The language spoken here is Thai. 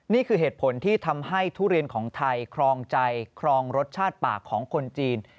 นี่คือเหตุผลที่ทำให้ทุเรียนของไทยครองใจครองรสชาติปากของคนจีน